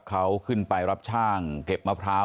เขาขึ้นไปรับจ้างเก็บมะพร้าว